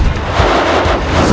kau tidak tahu siapa aku